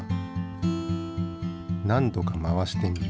何度か回してみる。